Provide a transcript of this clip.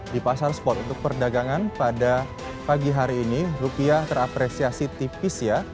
di pasar spot untuk perdagangan pada pagi hari ini rupiah terapresiasi tipis ya